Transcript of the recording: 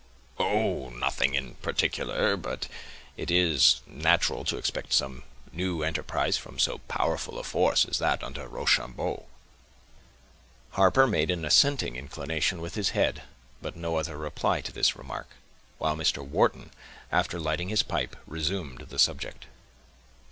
"Oh! nothing in particular; but it is natural to expect some new enterprise from so powerful a force as that under Rochambeau." Harper made an assenting inclination with his head, but no other reply, to this remark; while Mr. Wharton, after lighting his pipe, resumed the subject.